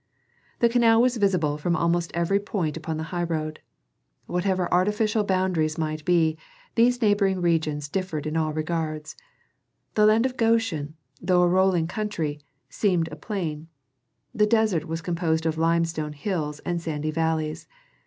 The canal was visible from almost every point upon the highroad. Whatever artificial boundaries might be, these neighboring regions differed in all regards. The land of Goshen, though a rolling country, seemed a plain; the desert was composed of limestone hills and sandy valleys.